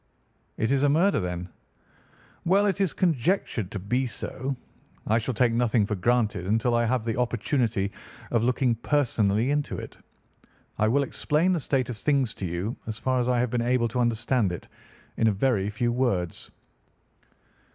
"It is a murder, then?" "Well, it is conjectured to be so. I shall take nothing for granted until I have the opportunity of looking personally into it. I will explain the state of things to you, as far as I have been able to understand it, in a very few words.